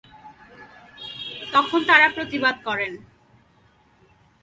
তখন তারা প্রতিবাদ করেন।